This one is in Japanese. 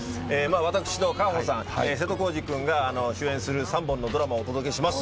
私と夏帆さん、瀬戸康史君が主演する３本のドラマをお届けします。